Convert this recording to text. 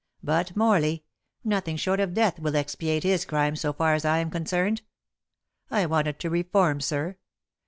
But Morley nothing short of death will expiate his crime so far as I am concerned. I wanted to reform, sir.